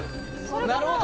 なるほど！